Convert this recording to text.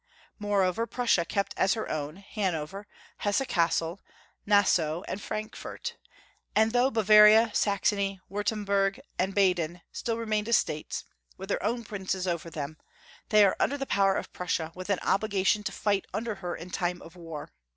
Moreover, Prussia kept as her own, Hanover, Hesse Cassel, Nassau, and Frankfiu t; and though Bavaria, Saxony, Wurtemburg, and Baden still remained as states, with their o^vn princes over them, they are under the power of Prussia, Avith an obligation to fight under her in time of war.